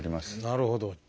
なるほど。